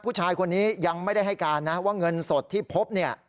ผู้ชายคนนี้ยังไม่ได้ให้การนะว่าเงินสดที่พบเนี่ย